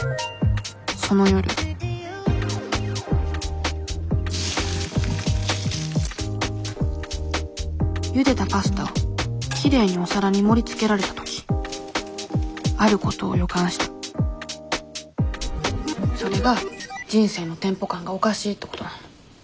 その夜ゆでたパスタをきれいにお皿に盛りつけられた時あることを予感したそれが人生のテンポ感がおかしいってことなの。